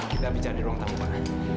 kita bicara di ruang tamu mana